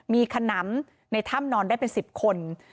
มีขนำในถ้ำนอนได้เป็น๑๐คน